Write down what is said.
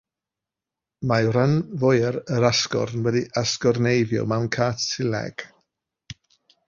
Mae rhan fwyaf yr asgwrn wedi asgwrneiddio mewn cartilag.